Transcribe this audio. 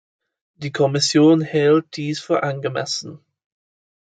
Die Kommission hält dies für angemessen.